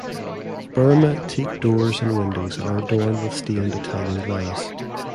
Burma teak doors and windows are adorned with stained Italian glass.